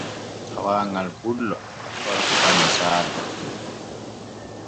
Tawaaŋal pullo e hokka misaalu.